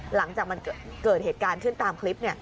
หลังจากมันเกิดเหตุการณ์ขึ้นตามคลิป